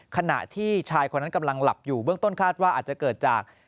ขณะที่ชายคนนั้นกำลังหลับอยู่เบื้องต้นคาดว่าอาจจะเกิดจาก